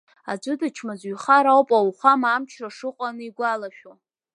Аӡәы дычмазаҩхар ауп ауахәама амчра шыҟоу анигәалашәо.